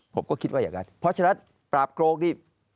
ผมก็คิดว่าอย่างนั้นเพราะฉะนั้นปราบโกงนี่